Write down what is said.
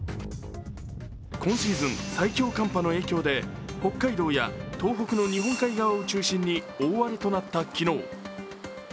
今シーズン最強寒波の影響で北海道や東北の日本海側を中心に大荒れとなった昨日。